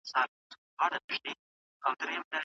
ستا فلانی ښه عادت زما ډېر خوښ دی.